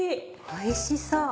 おいしそう！